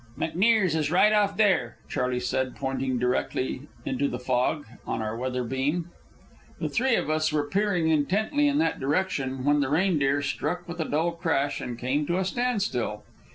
"McNear's is right off there," Charley said, pointing directly into the fog on our weather beam. The three of us were peering intently in that direction, when the Reindeer struck with a dull crash and came to a standstill.